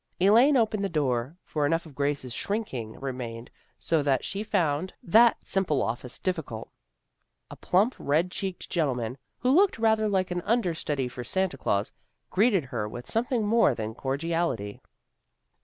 Elaine opened the door, for enough of Grace's shrinking remained so that she found that 340 THE GIRLS OF FRIENDLY TERRACE simple office difficult. A plump, red cheeked gentleman, who looked rather like an under study for Santa Glaus, greeted her with some thing more than cordiality.